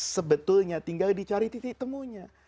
sebetulnya tinggal dicari titik temunya